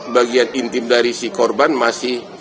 bagian intim dari si korban masih